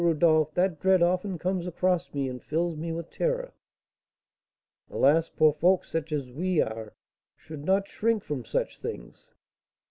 Rodolph, that dread often comes across me and fills me with terror." "Alas! poor folks, such as we are, should not shrink from such things."